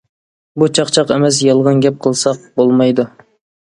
بۇ چاقچاق ئەمەس، يالغان گەپ قىلساق بولمايدۇ.